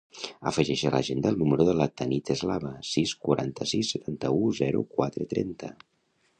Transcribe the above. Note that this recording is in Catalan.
Afegeix a l'agenda el número de la Tanit Eslava: sis, quaranta-sis, setanta-u, zero, quatre, trenta.